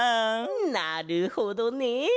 なるほどね！